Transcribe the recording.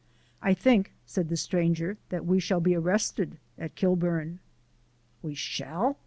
"I think," said the stranger, "that we shall be arrested at Kilburn." "We shall!"